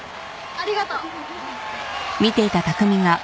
ありがとう。